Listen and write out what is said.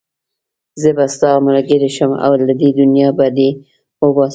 زه به ستا ملګری شم او له دې دنيا به دې وباسم.